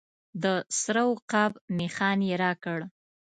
د سره عقاب نښان یې راکړ.